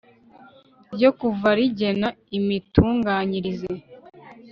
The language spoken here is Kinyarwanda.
ryo ku wa rigena imitunganyirize